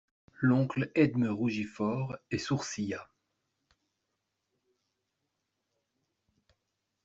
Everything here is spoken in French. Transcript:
L'oncle Edme rougit fort, et sourcilla.